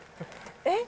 えっ？